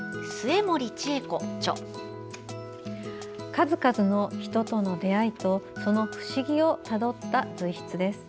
数々の人との出会いとその不思議をたどった随筆です。